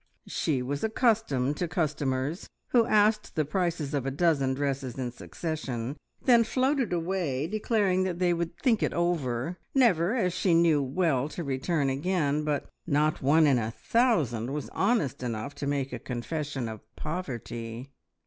She was accustomed to customers who asked the prices of a dozen dresses in succession, and then floated away declaring that they would "think it over," never, as she knew well, to return again; but not one in a thousand was honest enough to make a confession of poverty!